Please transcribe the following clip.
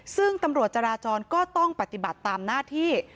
ซึ่งตำรวจจราจรก็ต้องปฏิบัติตามหน้าที่